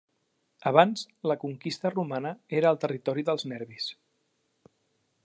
Abans la conquista romana era el territori dels Nervis.